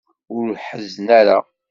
Ur ḥezzen ara.